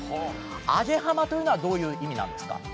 揚げ浜というのはどういう意味なんですか？